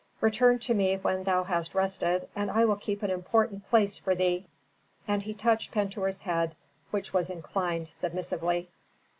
Return to me when thou hast rested, I will keep an important place for thee." And he touched Pentuer's head, which was inclined submissively.